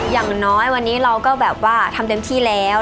อย่างน้อยวันนี้เราก็แบบว่าทำเต็มที่แล้ว